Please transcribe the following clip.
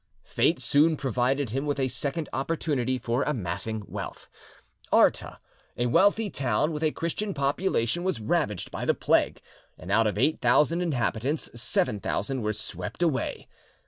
Fate soon provided him with a second opportunity for amassing wealth. Arta, a wealthy town with a Christian population, was ravaged by the plague, and out of eight thousand inhabitants, seven thousand were swept away.